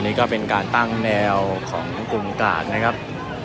นี่ก็เป็นการตั้งแนวของกลุ่มกาดนะครับ